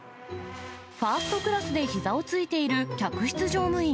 ファーストクラスでひざをついている客室乗務員。